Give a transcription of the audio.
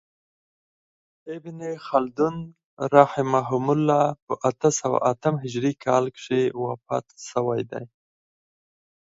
ابن خلدون رحمة الله په اته سوه اتم هجري کال کښي وفات سوی دئ.